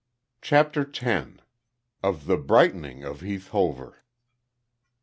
CHAPTER TEN. OF THE BRIGHTENING OF HEATH HOVER.